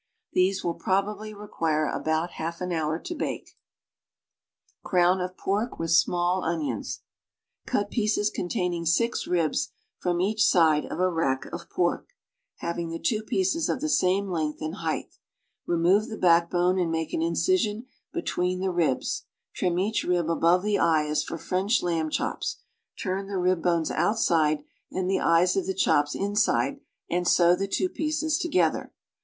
These will probably require .ibout half an hour to bake. CROWN OF PORK WITH SMALL ONIONS Cut pieces containing six ribs from each side of a rack of pork, having the t^yo pieces of the same length and height; remove the backbone and make an incision betw'een the ribs; trim each ril> above the eye as for French lamb chops; turn the rib bones outside and the eyes of the chops inside and sew the two pieces together.